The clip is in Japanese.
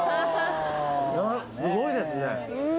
すごいですね。